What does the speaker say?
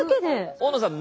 大野さん